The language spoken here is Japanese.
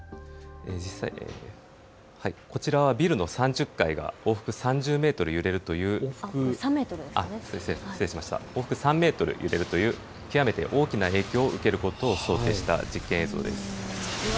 こちらはビルの３０階が往復３メートル揺れるという極めて大きな影響を受けることを想定した実験映像です。